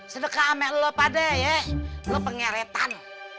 sedekah sama lu pak haji lu penggeretan